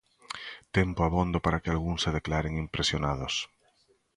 Tempo abondo para que algúns se declaren impresionados.